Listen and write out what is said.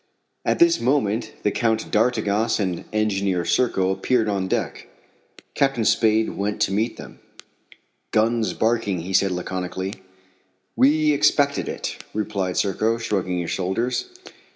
At this moment the Count d'Artigas and Engineer Serko appeared on deck. Captain Spade went to meet them. "Guns barking," he said laconically. "We expected it," replied Serko, shrugging his shoulders.